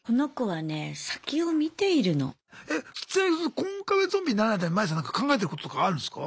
コンカフェゾンビにならないためにマイさんなんか考えてることとかあるんすか？